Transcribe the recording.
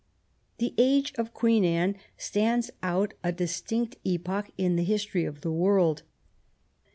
The age of Queen Anne stands out a distinct epoch in the history of the world.